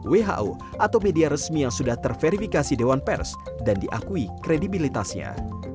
who atau media resmi yang sudah terverifikasi dewan pers dan diakui kredibilitasnya